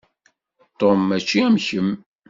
Tom mačči am kemm.